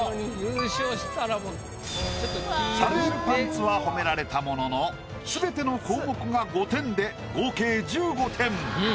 サルエルパンツは褒められたものの全ての項目が５点で合計１５点。